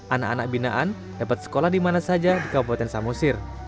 anak anak binaan dapat sekolah di mana saja di kabupaten samosir